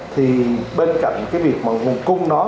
thì bên cạnh cái việc mà nguồn cung đó